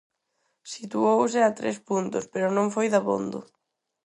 Situouse a tres puntos, pero non foi dabondo.